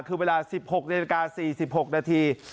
คือเวลา๑๖นิลลิการ์๔๖นาที